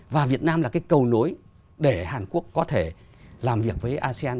và việt nam là cái cầu nối để hàn quốc có thể làm việc với asean